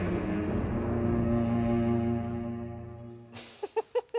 フフフフ。